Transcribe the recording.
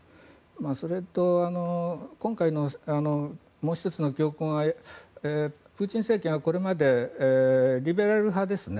それと今回のもう１つの教訓はプーチン政権はこれまでリベラル派ですね